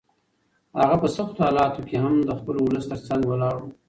هغه په سختو حالاتو کې هم د خپل ولس تر څنګ ولاړ و.